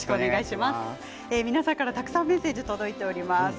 皆さんからたくさんメッセージが届いています。